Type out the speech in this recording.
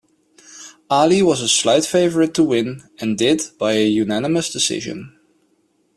Ali was a slight favorite to win, and did by a unanimous decision.